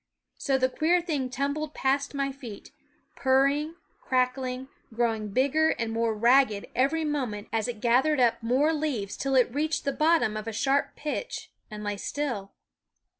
So the queer thing tumbled past my feet, purring, crackling, growing bigger and more ragged every moment as it gathered up THE WOODS H more leaves, till it reached the bottom of a sharp pitch and lay still.